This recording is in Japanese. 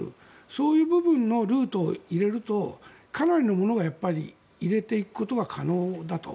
そういう部分のルートを入れるとかなりのものが入れていくことが可能だと。